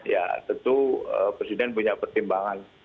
ya tentu presiden punya pertimbangan